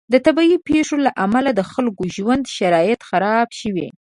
د طبعي پیښو له امله د خلکو د ژوند شرایط خراب شوي.